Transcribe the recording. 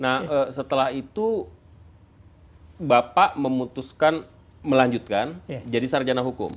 nah setelah itu bapak memutuskan melanjutkan jadi sarjana hukum